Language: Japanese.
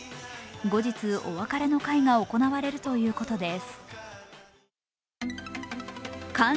後日、お別れの会が行われるということです。